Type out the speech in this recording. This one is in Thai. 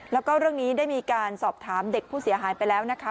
แล้วก็เรื่องนี้ได้มีการสอบถามเด็กผู้เสียหายไปแล้วนะคะ